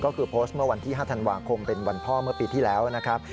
ก็คือโพสต์เมื่อวันที่๕ธันวาคมเป็นวันพ่อเมื่อปีที่แล้วนะครับ